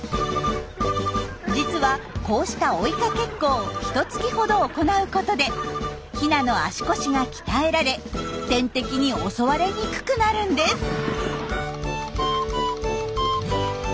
実はこうした追いかけっこをひとつきほど行うことでヒナの足腰が鍛えられ天敵に襲われにくくなるんです。